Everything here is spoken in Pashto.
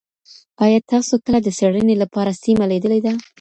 ایا تاسو کله د څېړني لپاره سیمه لیدلې ده؟